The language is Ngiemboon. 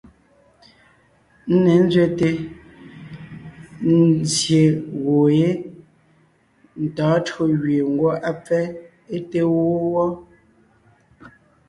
Ńne ńzẅɛte, nzsyè gwoon yé, ntɔ̌ɔn tÿǒ gẅie ngwɔ́ á pfɛ́ é te wó wɔ́,